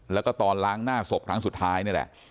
แล้วก็ตอนล้างหน้าศพครั้งสุดท้ายนี่แหละ